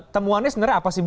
temuannya sebenarnya apa sih bu